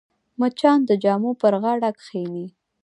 مچان د جامو پر غاړه کښېني